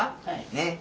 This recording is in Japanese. ねっ。